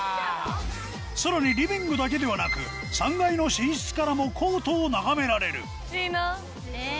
さらにリビングだけではなく３階の寝室からもコートを眺められるええ。